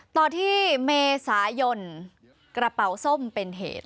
ต่อที่เมษายนกระเป๋าส้มเป็นเหตุ